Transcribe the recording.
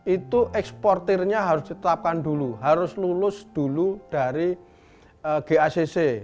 itu eksportirnya harus ditetapkan dulu harus lulus dulu dari gacc